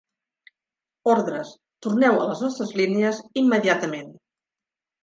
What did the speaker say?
Ordres. Torneu a les nostres línies immediatament